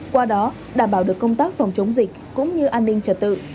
qua đó đảm bảo được công tác phòng chống dịch cũng như an ninh trật tự